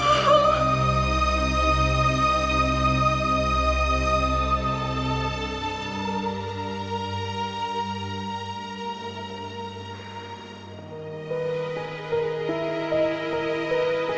seneng lo sekarang